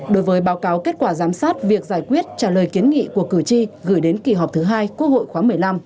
đối với báo cáo kết quả giám sát việc giải quyết trả lời kiến nghị của cử tri gửi đến kỳ họp thứ hai quốc hội khoáng một mươi năm